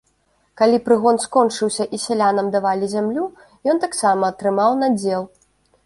Калі прыгон скончыўся і сялянам давалі зямлю, ён таксама атрымаў надзел.